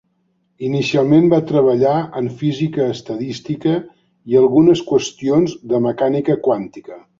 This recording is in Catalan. Inicialment va treballar en física estadística i algunes qüestions de mecànica quàntica.